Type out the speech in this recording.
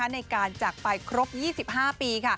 ในการจากไปครบ๒๕ปี